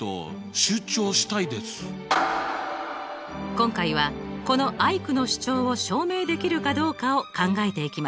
今回はこのアイクの主張を証明できるかどうかを考えていきます。